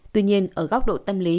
tuy nhiên ở góc độ tâm lý